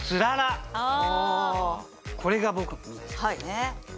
これが僕の３つですね。